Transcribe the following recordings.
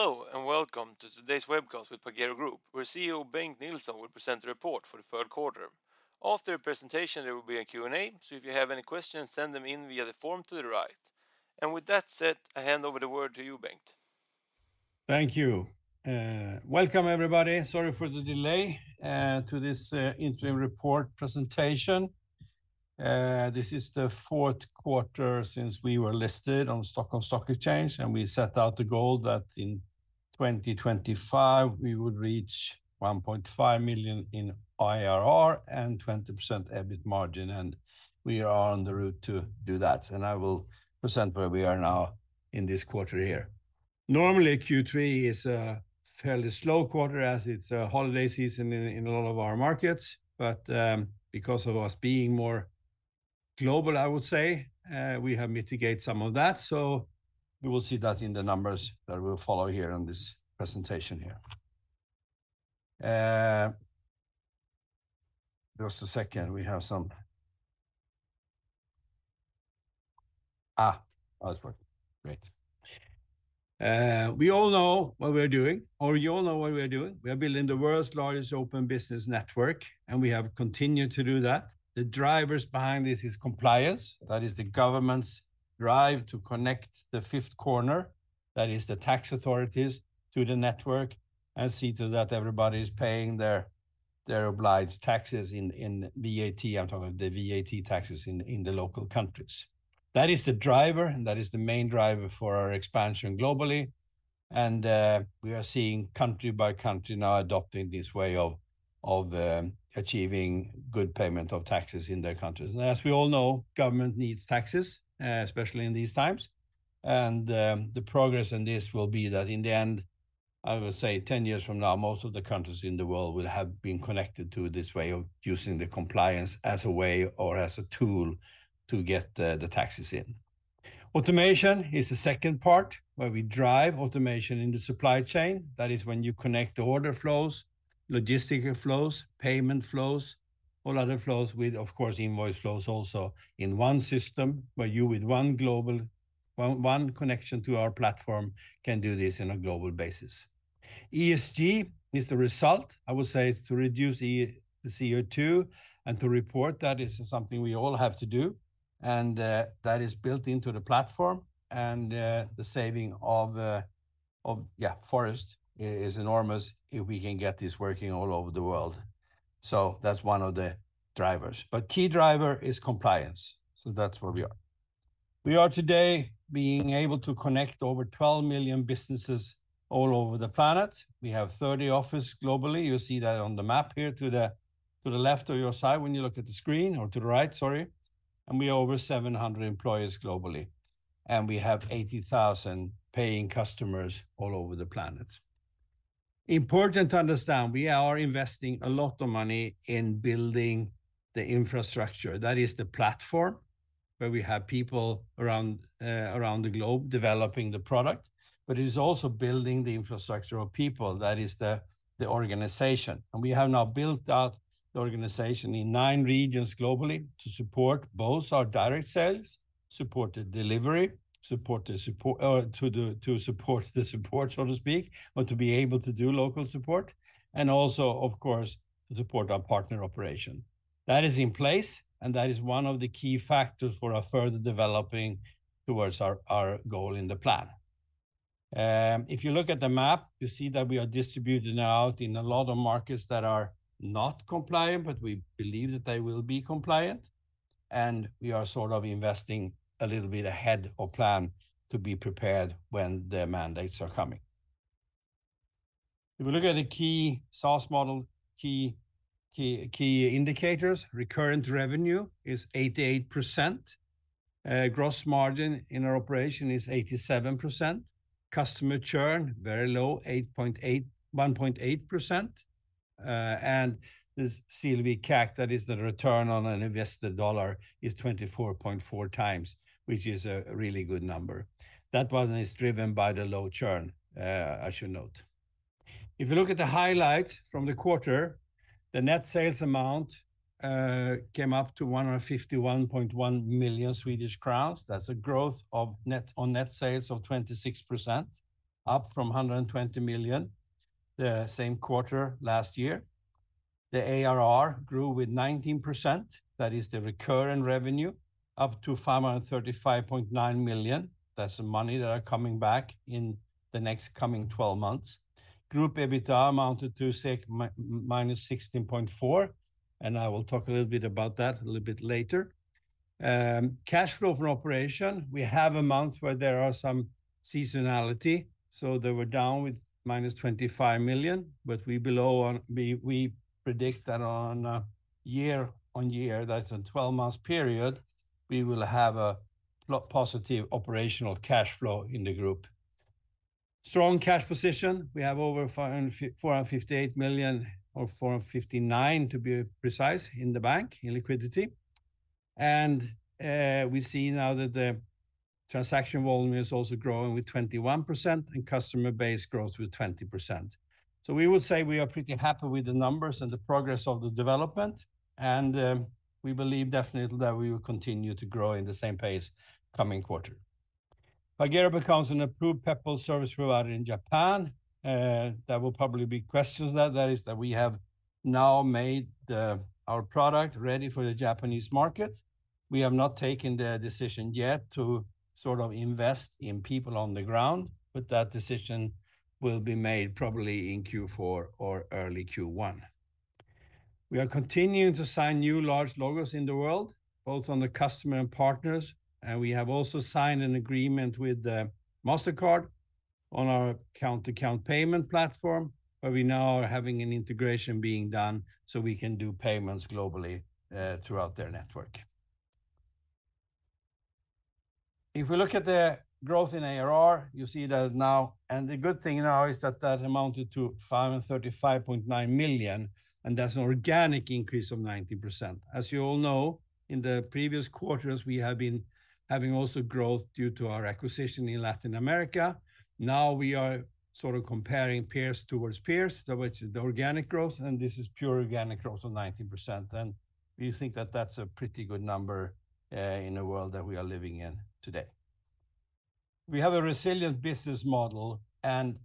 Hello, and welcome to today's webcast with Pagero Group, where CEO Bengt Nilsson will present the report for the third quarter. After the presentation, there will be a Q&A, so if you have any questions, send them in via the form to the right. With that said, I hand over the word to you, Bengt. Thank you. Welcome everybody, sorry for the delay, to this interim report presentation. This is the fourth quarter since we were listed on Nasdaq Stockholm, and we set out the goal that in 2025, we would reach 1.5 million in ARR and 20% EBIT margin, and we are on the route to do that. I will present where we are now in this quarter here. Normally, Q3 is a fairly slow quarter as it's a holiday season in a lot of our markets, but because of us being more global, I would say, we have mitigate some of that. We will see that in the numbers that will follow here on this presentation here. Just a second. Now it's working. Great. We all know what we're doing, or you all know what we are doing. We are building the world's largest open business network, and we have continued to do that. The drivers behind this is compliance. That is the government's drive to connect the fifth corner, that is the tax authorities, to the network and see to that everybody is paying their obliged taxes in VAT, I'm talking the VAT taxes in the local countries. That is the driver, and that is the main driver for our expansion globally and we are seeing country by country now adopting this way of achieving good payment of taxes in their countries. As we all know, government needs taxes, especially in these times. The progress in this will be that in the end, I would say 10 years from now, most of the countries in the world will have been connected to this way of using the compliance as a way or as a tool to get the taxes in. Automation is the second part, where we drive automation in the supply chain. That is when you connect the order flows, logistical flows, payment flows, all other flows with, of course, invoice flows also in one system where you with one global connection to our platform can do this in a global basis. ESG is the result, I would say, to reduce the CO2 and to report that is something we all have to do, and that is built into the platform and the saving of forests is enormous if we can get this working all over the world. That's one of the drivers. Key driver is compliance, that's where we are. We are today being able to connect over 12 million businesses all over the planet. We have 30 offices globally. You see that on the map here to the left of your side when you look at the screen or to the right, sorry, and we are over 700 employees globally, and we have 80,000 paying customers all over the planet. Important to understand, we are investing a lot of money in building the infrastructure. That is the platform where we have people around the globe developing the product, but it is also building the infrastructure of people. That is the organization. We have now built out the organization in nine regions globally to support both our direct sales, support the delivery, support the support, so to speak, or to be able to do local support, and also, of course, to support our partner operation. That is in place, and that is one of the key factors for our further developing towards our goal in the plan. If you look at the map, you see that we are distributed now out in a lot of markets that are not compliant, but we believe that they will be compliant, and we are sort of investing a little bit ahead of plan to be prepared when the mandates are coming. If you look at the key SaaS model key indicators, recurrent revenue is 88%. Gross margin in our operation is 87%. Customer churn, very low, 1.8%. And the CLV/CAC, that is the return on an invested dollar, is 24.4x, which is a really good number. That one is driven by the low churn, I should note. If you look at the highlights from the quarter, the net sales amount came up to 151.1 million Swedish crowns. That's a growth on net sales of 26%, up from 120 million the same quarter last year. The ARR grew with 19%. That is the recurrent revenue, up to 535.9 million. That's the money that are coming back in the next coming 12 months. Group EBITA amounted to -16.4 million, and I will talk a little bit about that later. Cash flow from operation, we have amounts where there are some seasonality, so they were down with -25 million, but we believe we predict that on a year-on-year, that's a 12-month period, we will have a positive operational cash flow in the group. Strong cash position. We have over 458 million, or 459 million to be precise, in the bank, in liquidity. We see now that the transaction volume is also growing with 21% and customer base grows with 20%. We would say we are pretty happy with the numbers and the progress of the development. We believe definitely that we will continue to grow in the same pace coming quarter. Pagero becomes an approved Peppol service provider in Japan. There will probably be questions that we have now made our product ready for the Japanese market. We have not taken the decision yet to sort of invest in people on the ground, but that decision will be made probably in Q4 or early Q1. We are continuing to sign new large logos in the world, both on the customer and partners, and we have also signed an agreement with Mastercard on our account-to-account payment platform, where we now are having an integration being done, so we can do payments globally throughout their network. If we look at the growth in ARR, you see that now. The good thing now is that that amounted to 535.9 million, and that's an organic increase of 90%. As you all know, in the previous quarters, we have been having also growth due to our acquisition in Latin America. Now we are sort of comparing peers towards peers, so which is the organic growth, and this is pure organic growth of 90%. We think that that's a pretty good number in the world that we are living in today. We have a resilient business model, and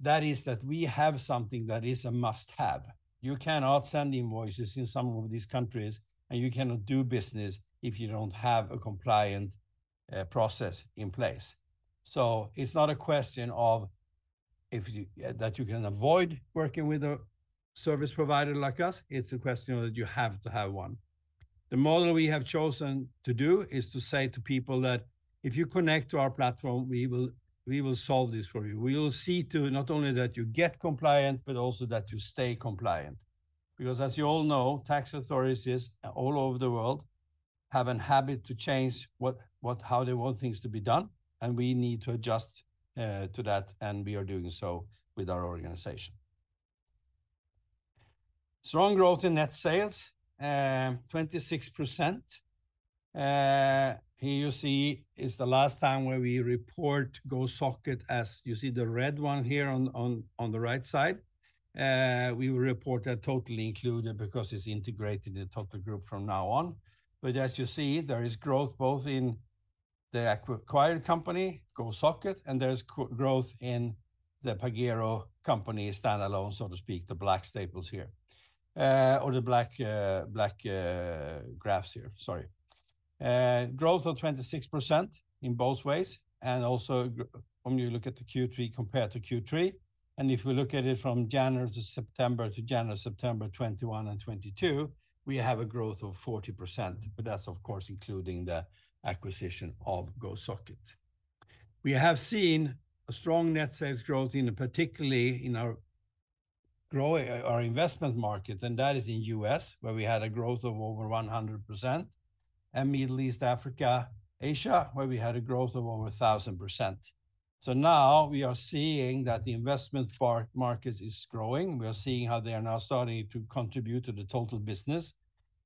that is that we have something that is a must-have. You cannot send invoices in some of these countries, and you cannot do business if you don't have a compliant process in place. It's not a question of that you can avoid working with a service provider like us, it's a question that you have to have one. The model we have chosen to do is to say to people that if you connect to our platform, we will solve this for you. We will see to not only that you get compliant, but also that you stay compliant. Because as you all know, tax authorities all over the world have a habit to change how they want things to be done, and we need to adjust to that, and we are doing so with our organization. Strong growth in net sales, 26%. Here you see is the last time where we report Gosocket as you see the red one here on the right side. We will report that totally included because it's integrated in the total group from now on. As you see, there is growth both in the acquired company, Gosocket, and there's growth in the Pagero company standalone, so to speak, the black graphs here. Growth of 26% in both ways, and also when you look at the Q3 compared to Q3, and if we look at it from January to September to January to September 2021 and 2022, we have a growth of 40%, but that's of course including the acquisition of Gosocket. We have seen a strong net sales growth in, particularly in our investment market, and that is in U.S., where we had a growth of over 100%, and Middle East, Africa, Asia, where we had a growth of over 1,000%. Now we are seeing that the investment markets is growing. We are seeing how they are now starting to contribute to the total business.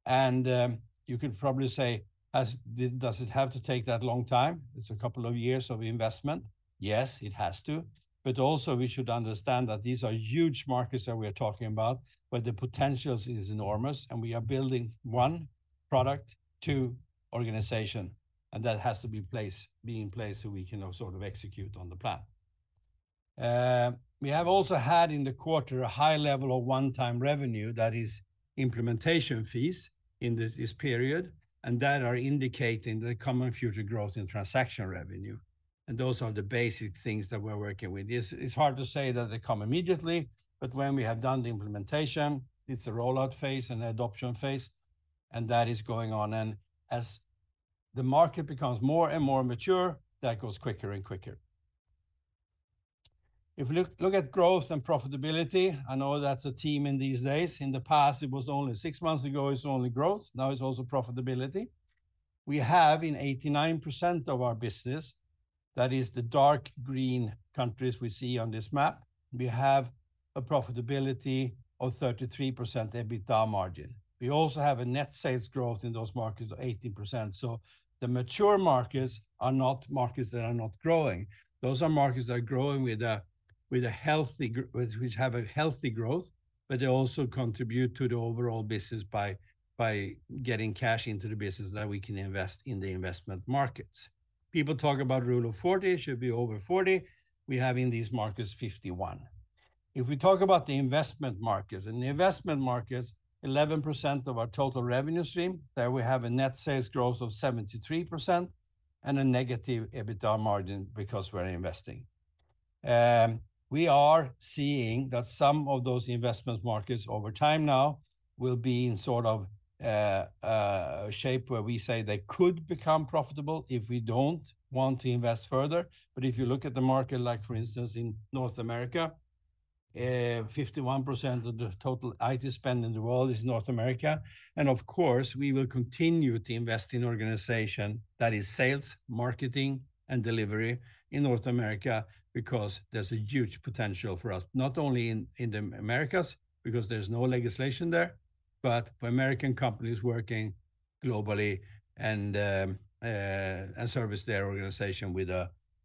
You could probably say, does it have to take that long time? It's a couple of years of investment. Yes, it has to. We should understand that these are huge markets that we are talking about, where the potential is enormous, and we are building one product, two organization, and that has to be placed, be in place, so we can now sort of execute on the plan. We have also had in the quarter a high level of one-time revenue, that is implementation fees in this period, and that are indicating the coming future growth in transaction revenue. Those are the basic things that we're working with. It's hard to say that they come immediately, but when we have done the implementation, it's a rollout phase, an adoption phase, and that is going on. As the market becomes more and more mature, that goes quicker and quicker. If you look at growth and profitability, I know that's a theme in these days. In the past, it was only six months ago, it's only growth. Now it's also profitability. We have in 89% of our business, that is the dark green countries we see on this map. We have a profitability of 33% EBITDA margin. We also have a net sales growth in those markets of 18%. The mature markets are not markets that are not growing. Those are markets that are growing with a healthy growth, which have a healthy growth, but they also contribute to the overall business by getting cash into the business that we can invest in the investment markets. People talk about rule of 40, it should be over 40. We have in these markets 51. If we talk about the investment markets, 11% of our total revenue stream, there we have a net sales growth of 73% and a negative EBITDA margin because we're investing. We are seeing that some of those investment markets over time now will be in sort of shape where we say they could become profitable if we don't want to invest further. If you look at the market, like for instance, in North America, 51% of the total IT spend in the world is North America. Of course, we will continue to invest in organization that is sales, marketing, and delivery in North America because there's a huge potential for us, not only in the Americas, because there's no legislation there, but for American companies working globally and service their organization with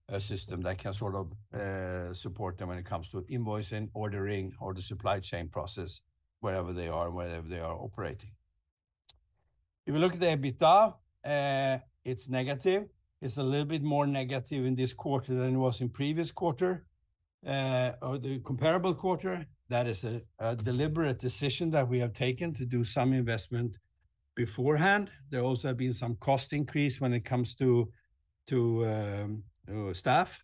a system that can sort of support them when it comes to invoicing, ordering, or the supply chain process wherever they are and wherever they are operating. If you look at the EBITDA, it's negative. It's a little bit more negative in this quarter than it was in previous quarter or the comparable quarter. That is a deliberate decision that we have taken to do some investment beforehand. There also have been some cost increase when it comes to staff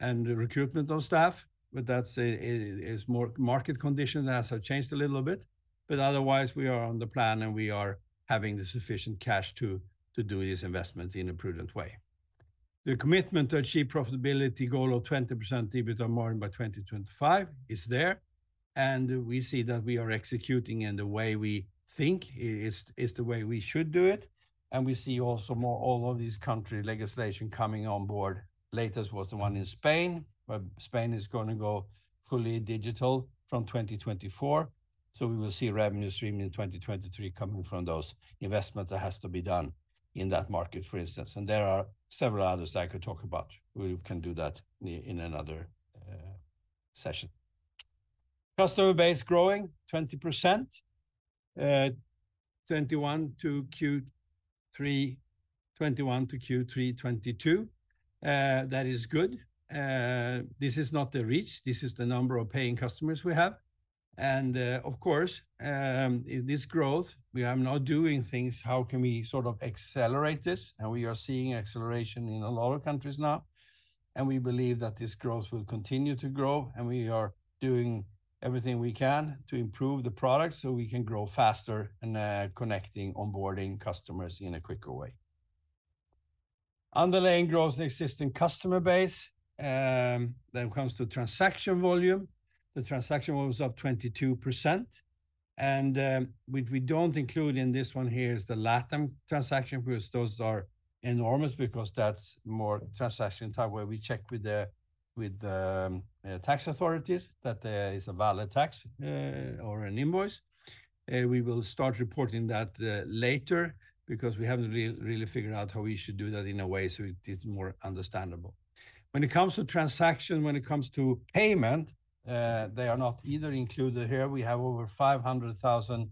and recruitment of staff, but that is more market condition that has changed a little bit. Otherwise, we are on the plan, and we are having the sufficient cash to do this investment in a prudent way. The commitment to achieve profitability goal of 20% EBITDA margin by 2025 is there, and we see that we are executing in the way we think is the way we should do it. We see also more all of these country legislation coming on board. Latest was the one in Spain, where Spain is gonna go fully digital from 2024, so we will see revenue streaming in 2023 coming from those investments that has to be done in that market, for instance. There are several others that I could talk about. We can do that in another session. Customer base growing 20%, 2021 to Q3 2022. That is good. This is not the reach, this is the number of paying customers we have. Of course, this growth, we are now doing things, how can we sort of accelerate this? We are seeing acceleration in a lot of countries now. We believe that this growth will continue to grow, and we are doing everything we can to improve the product so we can grow faster and connecting, onboarding customers in a quicker way. Underlying growth in existing customer base. Then comes to transaction volume. The transaction volume was up 22%. We don't include in this one here is the LATAM transaction because those are enormous because that's more transaction type where we check with the tax authorities that there is a valid tax or an invoice. We will start reporting that later because we haven't really figured out how we should do that in a way so it is more understandable. When it comes to transaction, when it comes to payment, they are not either included here. We have over 500,000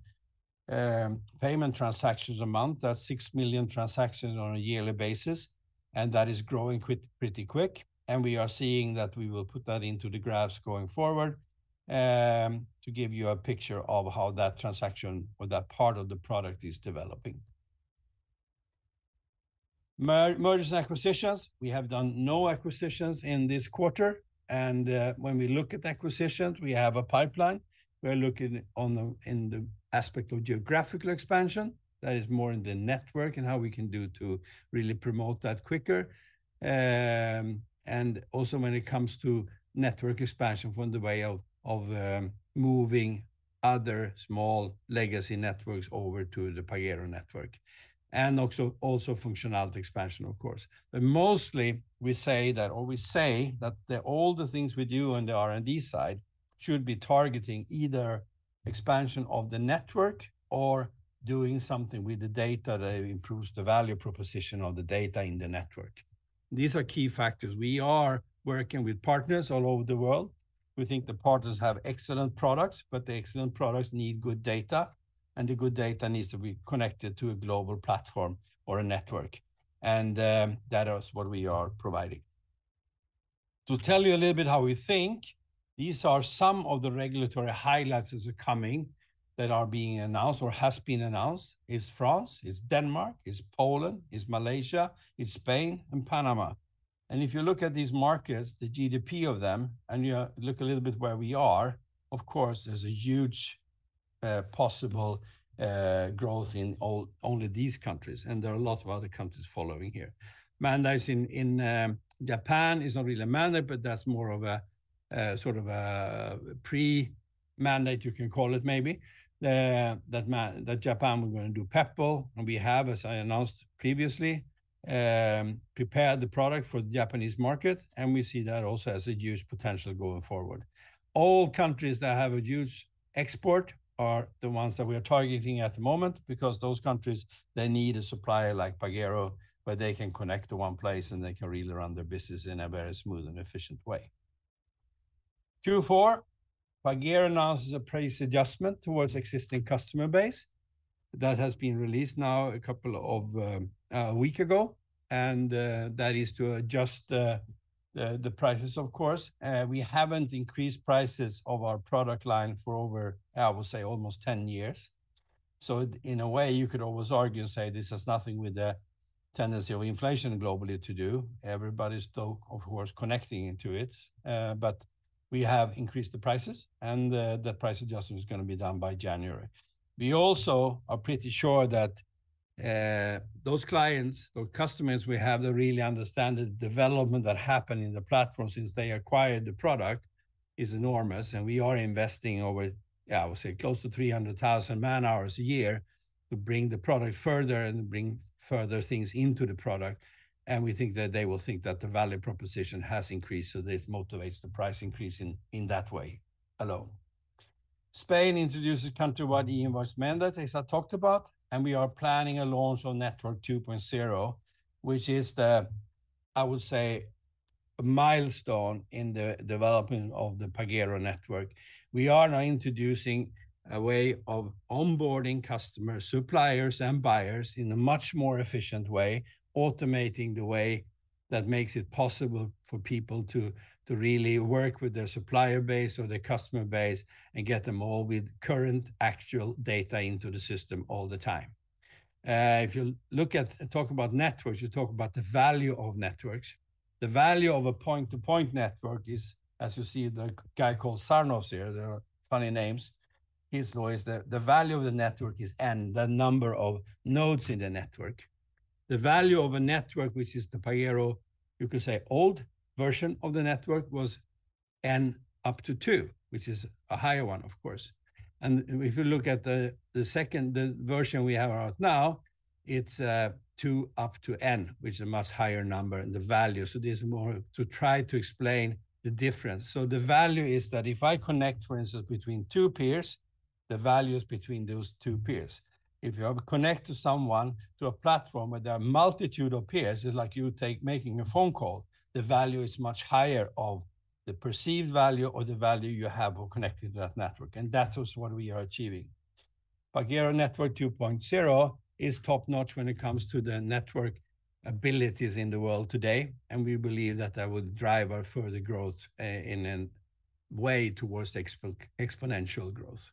payment transactions a month. That's 6 million transactions on a yearly basis, and that is growing quite pretty quick. We are seeing that we will put that into the graphs going forward to give you a picture of how that transaction or that part of the product is developing. Mergers and acquisitions, we have done no acquisitions in this quarter. When we look at acquisitions, we have a pipeline. We're looking in the aspect of geographical expansion, that is more in the network and how we can do to really promote that quicker. And also when it comes to network expansion from the way of moving other small legacy networks over to the Pagero Network, and also functionality expansion, of course. Mostly we say that the all the things we do on the R&D side should be targeting either expansion of the network or doing something with the data that improves the value proposition of the data in the network. These are key factors. We are working with partners all over the world. We think the partners have excellent products, but the excellent products need good data, and the good data needs to be connected to a global platform or a network, and that is what we are providing. To tell you a little bit how we think, these are some of the regulatory highlights that are coming, that are being announced or has been announced. It's France, it's Denmark, it's Poland, it's Malaysia, it's Spain, and Panama. If you look at these markets, the GDP of them, and you look a little bit where we are, of course, there's a huge possible growth in only these countries, and there are a lot of other countries following here. Mandates in Japan is not really a mandate, but that's more of a sort of a pre-mandate you can call it maybe. The fact that Japan were gonna do Peppol, and we have, as I announced previously, prepared the product for the Japanese market, and we see that also has a huge potential going forward. All countries that have a huge export are the ones that we are targeting at the moment because those countries, they need a supplier like Pagero where they can connect to one place, and they can really run their business in a very smooth and efficient way. Q4, Pagero announces a price adjustment towards existing customer base. That has been released now a couple of weeks ago, and that is to adjust the prices of course. We haven't increased prices of our product line for over, I would say, almost ten years. In a way, you could always argue and say this has nothing with the tendency of inflation globally to do. Everybody's though, of course, connecting to it. We have increased the prices, and the price adjustment is gonna be done by January. We also are pretty sure that those clients or customers we have that really understand the development that happened in the platform since they acquired the product is enormous, and we are investing over, I would say, close to 300,000 man-hours a year to bring the product further and bring further things into the product. We think that they will think that the value proposition has increased, so this motivates the price increase in that way alone. Spain introduces countrywide e-invoice mandate, as I talked about, and we are planning a launch on Network 2.0, which is, I would say, a milestone in the development of the Pagero Network. We are now introducing a way of onboarding customers, suppliers and buyers in a much more efficient way, automating the way that makes it possible for people to really work with their supplier base or their customer base and get them all with current actual data into the system all the time. If you look at and talk about networks, you talk about the value of networks. The value of a point-to-point network is, as you see, the guy called Sarnoff here, there are funny names. Metcalfe's law is the value of the network is n, the number of nodes in the network. The value of a network, which is the Pagero, you could say old version of the network, was n squared, which is a higher one, of course. If you look at the second version we have right now, it's two up to n, which is a much higher number in the value. This is more to try to explain the difference. The value is that if I connect, for instance, between two peers, the value is between those two peers. If you have a connection to someone through a platform where there are a multitude of peers, it's like you take making a phone call, the value is much higher of the perceived value or the value you have of connecting to that network, and that is what we are achieving. Pagero Network 2.0 is top-notch when it comes to the network abilities in the world today, and we believe that would drive our further growth in a way towards exponential growth.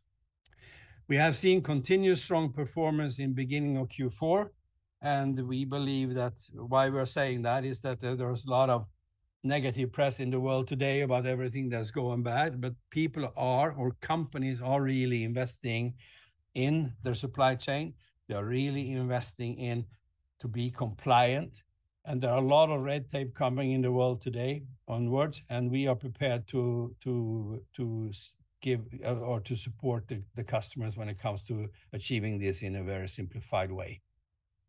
We have seen continuous strong performance in the beginning of Q4, and we believe that's why we're saying that is that there's a lot of negative press in the world today about everything that's going bad, but people or companies are really investing in their supply chain. They are really investing into be compliant, and there are a lot of red tape coming in the world today onwards, and we are prepared to support the customers when it comes to achieving this in a very simplified way.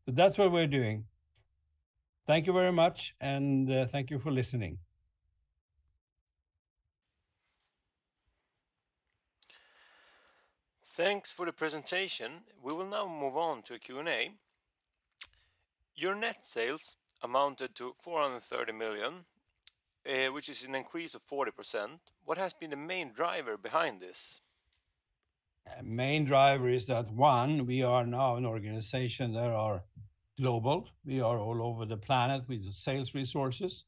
That's what we're doing. Thank you very much, and thank you for listening. Thanks for the presentation. We will now move on to a Q&A. Your net sales amounted to 430 million, which is an increase of 40%. What has been the main driver behind this? Main driver is that, one, we are now an organization that are global. We are all over the planet with the sales resources.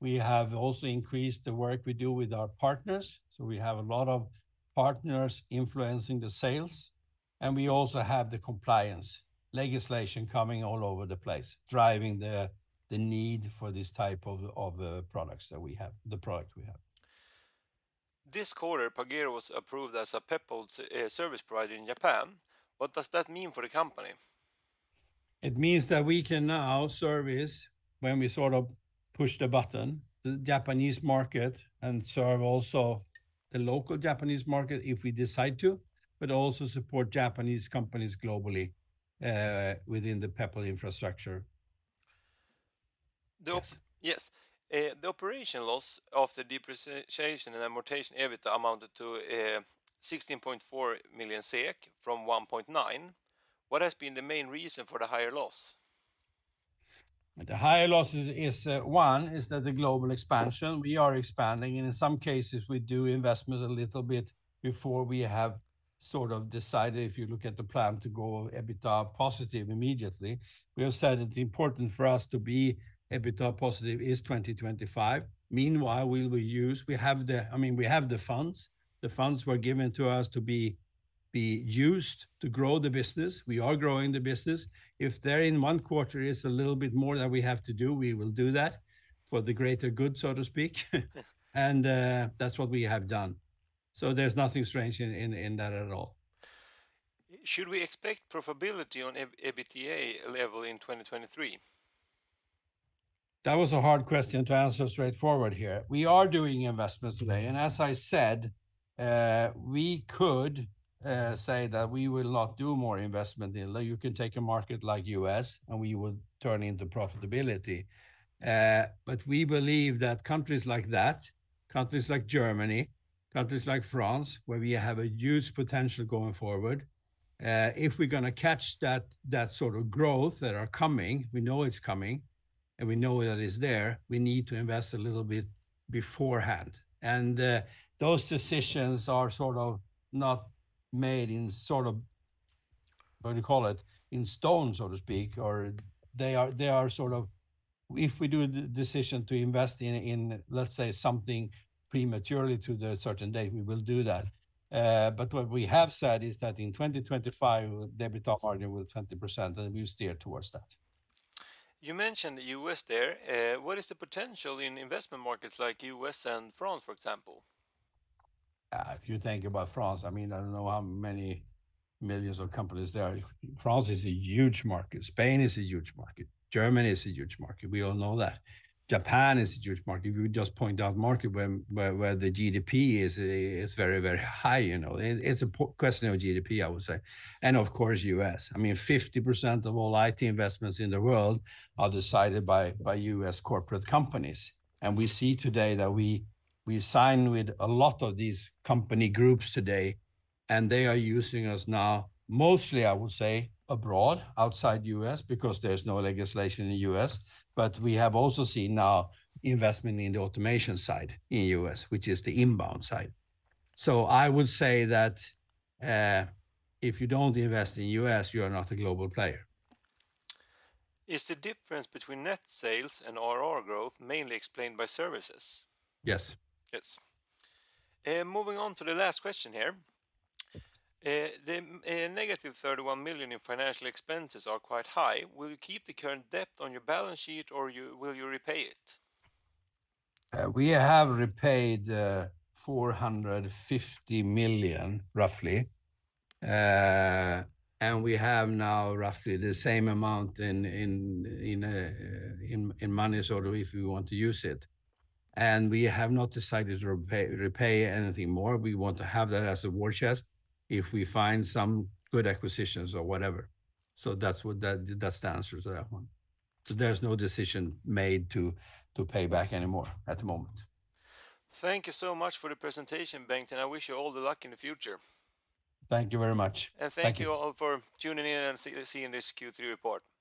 We have also increased the work we do with our partners, so we have a lot of partners influencing the sales, and we also have the compliance legislation coming all over the place, driving the need for this type of products that we have, the product we have. This quarter, Pagero was approved as a Peppol service provider in Japan. What does that mean for the company? It means that we can now service, when we sort of push the button, the Japanese market and serve also the local Japanese market if we decide to, but also support Japanese companies globally, within the Peppol infrastructure. The op- Yes. Yes. The operating loss before depreciation and amortization, EBITA, amounted to 16.4 million SEK from 1.9 million. What has been the main reason for the higher loss? The higher loss is that the global expansion. We are expanding, and in some cases, we do investment a little bit before we have sort of decided, if you look at the plan, to go EBITDA positive immediately. We have said that the important for us to be EBITDA positive is 2025. Meanwhile, we will use. We have the funds. I mean, we have the funds. The funds were given to us to be used to grow the business. We are growing the business. If there in one quarter is a little bit more that we have to do, we will do that for the greater good, so to speak. That's what we have done. There's nothing strange in that at all. Should we expect profitability on EBITDA level in 2023? That was a hard question to answer straightforward here. We are doing investments today, and as I said, we could say that we will not do more investment. You know, you can take a market like U.S., and we will turn into profitability. But we believe that countries like that, countries like Germany, countries like France, where we have a huge potential going forward, if we're gonna catch that sort of growth that are coming, we know it's coming, and we know that it's there, we need to invest a little bit beforehand. Those decisions are sort of not made in sort of, what do you call it, in stone, so to speak, or they are sort of. If we do a decision to invest in, let's say, something prematurely to the certain date, we will do that. What we have said is that in 2025, the EBITDA margin will be 20%, and we steer towards that. You mentioned the U.S. there. What is the potential in investment markets like U.S. and France, for example? If you think about France, I mean, I don't know how many millions of companies there are. France is a huge market. Spain is a huge market. Germany is a huge market. We all know that. Japan is a huge market. If you just point out market where the GDP is very, very high, you know. It's a question of GDP, I would say. Of course, U.S. I mean, 50% of all IT investments in the world are decided by U.S. corporate companies. We see today that we sign with a lot of these company groups today, and they are using us now, mostly, I would say, abroad, outside U.S., because there's no legislation in the U.S. We have also seen now investment in the automation side in U.S., which is the inbound side. I would say that, if you don't invest in U.S., you are not a global player. Is the difference between net sales and ARR growth mainly explained by services? Yes. Yes. Moving on to the last question here. The negative thirty-one million in financial expenses are quite high. Will you keep the current debt on your balance sheet, or will you repay it? We have repaid roughly 450 million. We have now roughly the same amount in money sort of if we want to use it. We have not decided to repay anything more. We want to have that as a war chest if we find some good acquisitions or whatever. That's the answer to that one. There's no decision made to pay back any more at the moment. Thank you so much for the presentation, Bengt, and I wish you all the luck in the future. Thank you very much. Thank you. Thank you all for tuning in and seeing this Q3 report.